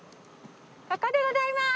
ここでございまーす！